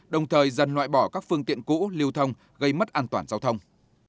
đồng thời dần loại bỏ các phương tiện cũ lưu thông gây mất an toàn giao thông